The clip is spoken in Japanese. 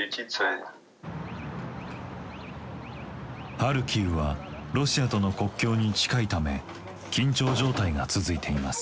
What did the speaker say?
ハルキウはロシアとの国境に近いため緊張状態が続いています。